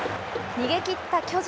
逃げきった巨人。